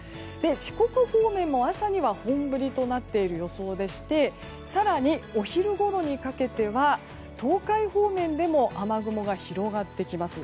四国方面も、朝には本降りとなっている予想でして更にお昼ごろにかけては東海方面でも雨雲が広がってきます。